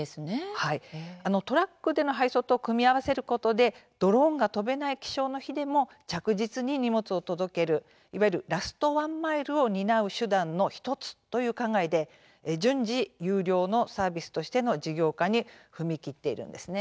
はい、トラックでの配送と組み合わせることでドローンが飛べない気象の日でも着実に荷物を届ける、いわゆる「ラストワンマイル」を担う手段の１つという考えで順次、有料のサービスとしての事業化に踏み切っているんですね。